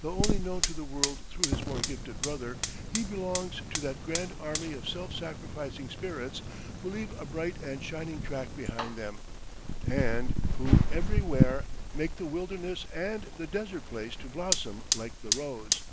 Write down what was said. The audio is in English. though only known to the world through his more gifted brother, he belongs to that grand army of self sacrificing spirits who leave a bright and shining track behind them, and who everywhere make the wilderness and the desert place to blossom like the rose.